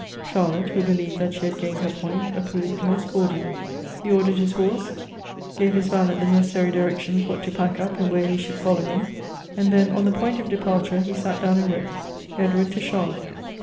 Charlotte, who believed that she had gained her point, approved most cordially. He ordered his horse, gave his valet the necessary directions what to pack up, and where he should follow him ; and then, on the point of departure, he sat down and wrote :" Edwakd to Chaklotte.